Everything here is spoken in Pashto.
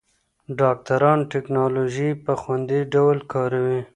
ډاکټران ټېکنالوژي په خوندي ډول کاروي.